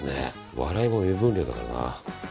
笑いも目分量だからな。